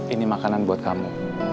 ini makanan buat kamu